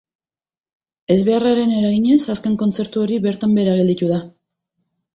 Ezbeharraren eraginez azken kontzertu hori bertan behera gelditu da.